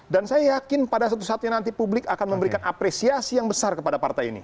dan saya yakin pada suatu saatnya nanti publik akan memberikan apresiasi yang besar kepada partai ini